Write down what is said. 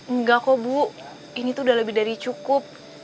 enggak kok bu ini tuh udah lebih dari cukup